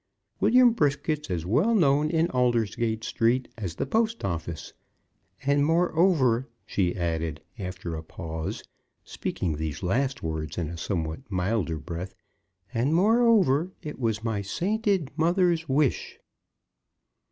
William Brisket's as well known in Aldersgate Street as the Post Office. And moreover," she added, after a pause, speaking these last words in a somewhat milder breath "And moreover, it was my sainted mother's wish!"